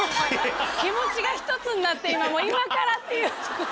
気持ちが一つになって今からっていう。